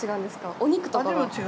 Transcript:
お肉とかが？